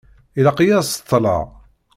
Ilaq-iyi ad ṣeṭṭeleɣ.